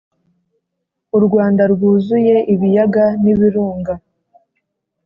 u rwanda rwuzuye ibiyaga n'ibirunga